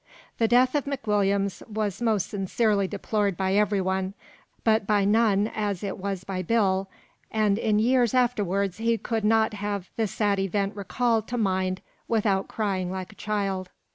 The death of McWilliams was most sincerely deplored by everyone, but by none as it was by Bill, and in years afterward he could not have the sad event recalled to mind without crying like a child.